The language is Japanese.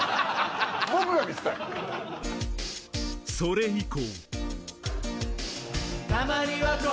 それ以降